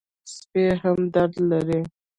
سپي هم درد لري.